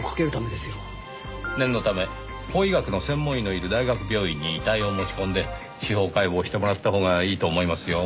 念のため法医学の専門医のいる大学病院に遺体を持ち込んで司法解剖してもらったほうがいいと思いますよ。